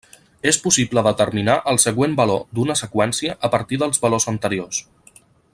És possible determinar el següent valor d'una seqüència a partir dels valors anteriors.